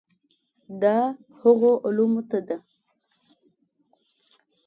دا هغو علومو ته ده.